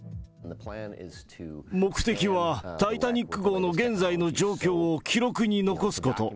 目的は、タイタニック号の現在の状況を記録に残すこと。